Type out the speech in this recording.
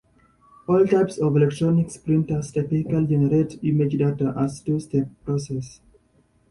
All types of electronic printers typically generate image data as a two-step process.